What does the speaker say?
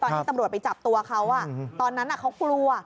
ที่ตำรวจไปจับตัวเขาตอนนั้นเขากลัว